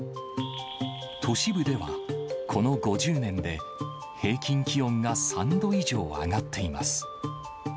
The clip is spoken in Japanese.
都市部ではこの５０年で、平均気温が３度以上、上がっています。